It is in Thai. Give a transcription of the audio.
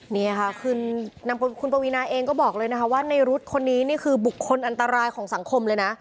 นี่ค่ะคุณปวีนาเองก็บอกเลยนะคะว่าในรุ๊ดคนนี้นี่คือบุคคลอันตรายของสังคมเลยนะ